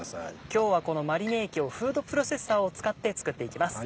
今日はマリネ液をフードプロセッサーを使って作っていきます。